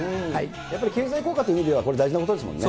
やっぱり経済効果という意味では、これ、大事なことですもんね。